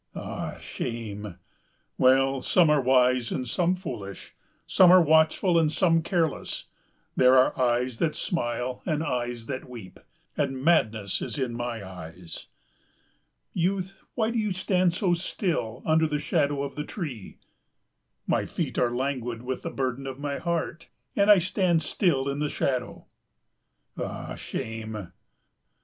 "Ah, shame!" "Well, some are wise and some foolish, some are watchful and some careless. There are eyes that smile and eyes that weep and madness is in my eyes." "Youth, why do you stand so still under the shadow of the tree?" "My feet are languid with the burden of my heart, and I stand still in the shadow." "Ah, shame!"